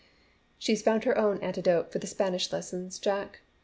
"She's found her own antidote for the Spanish lessons, Jack.